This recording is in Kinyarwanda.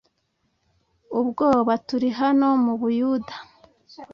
ubwoba turi hano mu buyuda